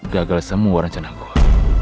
gagal semua rencana gue